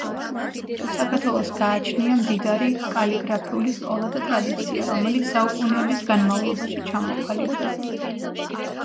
საქართველოს გააჩნია მდიდარი კალიგრაფიული სკოლა და ტრადიცია რომელიც საუკუნეების განმავლობაში ჩამოყალიბდა.